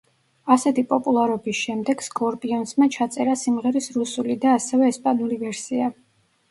ასეთი პოპულარობის შემდეგ სკორპიონსმა ჩაწერა სიმღერის რუსული და ასევე ესპანური ვერსია.